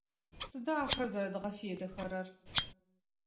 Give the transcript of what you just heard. Сыда ахэр зэрэдгъэфедэхэрэр?